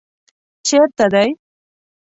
چېرته دی؟